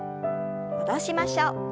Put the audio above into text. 戻しましょう。